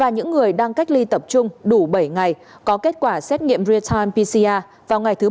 ba những người đang cách ly tập trung đủ bảy ngày có kết quả xét nghiệm real time pcr vào ngày thứ bảy